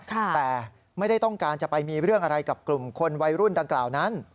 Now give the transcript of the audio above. แต่ไม่ได้ต้องการจะไปมีเรื่องอะไรกับกลุ่มคนวัยรุ่นดังกล่าวนั้น